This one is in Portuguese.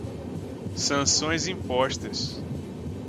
sanções impostas